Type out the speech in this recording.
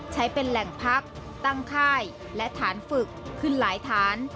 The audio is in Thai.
ใช้เป็นแหล่งพักตั้งค่ายและฐานฝึกขึ้นหลายฐาน